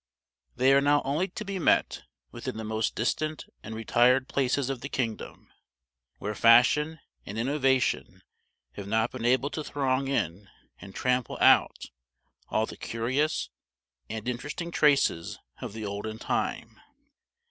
They are now only to be met with in the most distant and retired places of the kingdom, where fashion and innovation have not been able to throng in and trample out all the curious and interesting traces of the olden time.